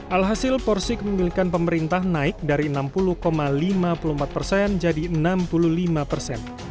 alhasil porsi kepemilikan pemerintah naik dari enam puluh lima puluh empat persen jadi enam puluh lima persen